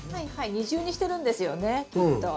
二重にしてるんですよねきっと。